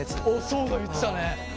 そうだ言ってたね。